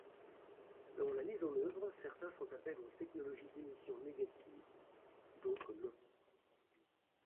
Dans la mise en œuvre, certains font appel aux technologies d'émissions négatives, d'autres non.